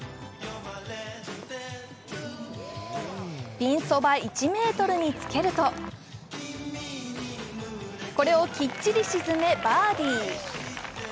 ピンそば１ｍにつけるとこれをきっちり沈め、バーディー。